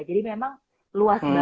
jadi memang luas banget